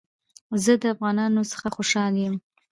زه د افغانانو څخه خوشحاله يم